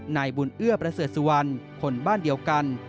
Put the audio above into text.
นายบุญเอื้อประเสริฐสุวรรณคนบ้านเดียวกัน